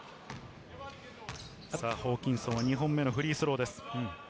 ホーキンソンは２本目のフリースローです。